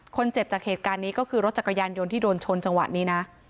จากเหตุการณ์นี้ก็คือรถจักรยานยนต์ที่โดนชนจังหวะนี้นะ